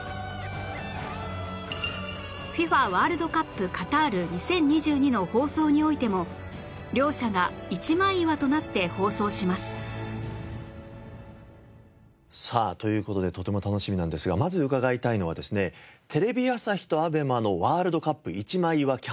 ＦＩＦＡ ワールドカップカタール２０２２の放送においても両社が一枚岩となって放送しますさあという事でとても楽しみなんですがまず伺いたいのはですねテレビ朝日と ＡＢＥＭＡ のワールドカップ一枚岩キャンペーンですね。